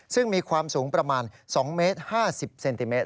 ซึ่งมีความสูงประมาณ๒เมตร๕๐เซนติเมตร